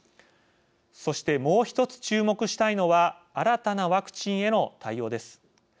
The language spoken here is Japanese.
そして、もう１つ注目したいのは新たなワクチンへの対応です。